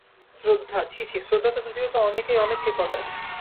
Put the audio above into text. শ্রদ্ধা, ছি ছি, শ্রদ্ধা তো পৃথিবীতে অনেকেই অনেককে করে।